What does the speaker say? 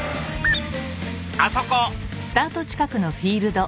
あそこ。